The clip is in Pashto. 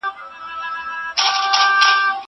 زه به سبا د لوبو لپاره وخت ونيسم!!